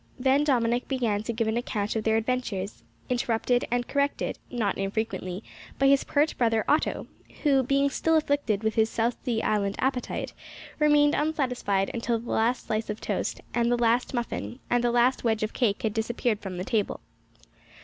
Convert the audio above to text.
Then Dominick began to give an account of their adventures, interrupted and corrected, not infrequently, by his pert brother Otto, who, being still afflicted with his South Sea island appetite, remained unsatisfied until the last slice of toast, and the last muffin, and the last wedge of cake had disappeared from the table.